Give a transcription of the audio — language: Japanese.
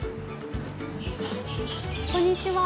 こんにちは。